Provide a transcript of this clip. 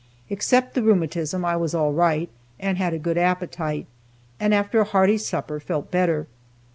Except the rheumatism, I was all right, and had a good appetite, and after a hearty supper, felt better.